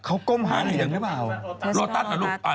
เขาก้มฮ่างเหมือนกันหรือเปล่า